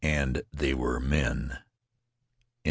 And they were men.